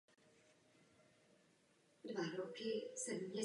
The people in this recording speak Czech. Řád mohl být udělen i posmrtně.